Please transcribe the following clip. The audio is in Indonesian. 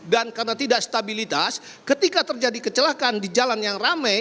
dan karena tidak stabilitas ketika terjadi kecelakaan di jalan yang rame